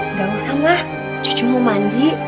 udah usam lah cucu mau mandi